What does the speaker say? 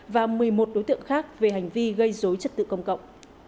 và một mươi một đối tượng khác về hành vi gây dối trật tự công cộng